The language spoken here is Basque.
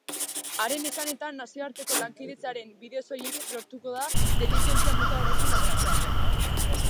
Haren esanetan, nazioarteko lankidetzaren bidez soilik lortuko da delinkuentzia mota horrekin amaitzea.